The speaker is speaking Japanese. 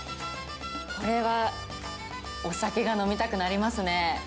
これはお酒が飲みたくなりますね。